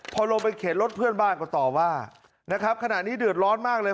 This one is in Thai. พอลงไปเข็นรถเพื่อนบ้านก็ต่อว่านะครับขณะนี้เดือดร้อนมากเลย